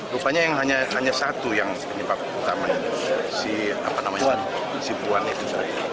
rupanya yang hanya satu yang menyebabkan si apa namanya si buan itu